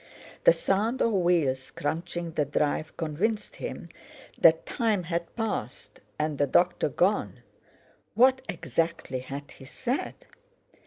The sound of wheels crunching the drive convinced him that time had passed, and the doctor gone. What, exactly, had he said?